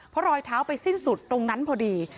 เพราะรอยเท้าไปสิ้นสุดตรงนั้นพอดี